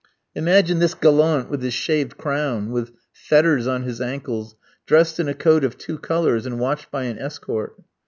Imagine this gallant with his shaved crown, with fetters on his ankles, dressed in a coat of two colours, and watched by an escort.